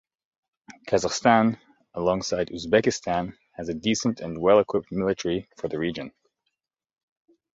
Kazakhstan, alongside Uzbekistan, has a decent and well-equipped military for the region.